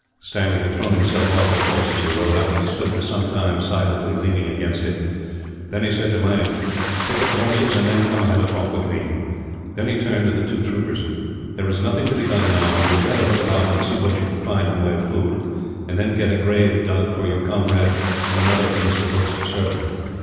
Stanley had thrown himself off his horse, as he rode up; and he stood for some time, silently leaning against it. Then he said to Meinik: "Picket the horses, and then come and have a talk with me." Then he turned to the two troopers: "There is nothing to be done now," he said. "You had better look about, and see what you can find in the way of food; and then get a grave dug for your comrade, and another for Mr. Brooke's servant."